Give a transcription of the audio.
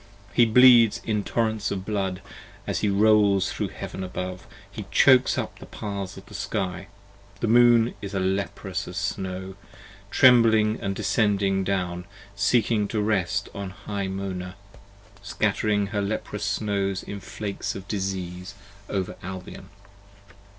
He bleeds in torrents of blood as he rolls thro' heaven above, He chokes up the paths of the sky: the Moon is leprous as snow: Trembling & descending down, seeking to rest on high Mona: 80 Scattering her leprous snows in flakes of disease over Albion.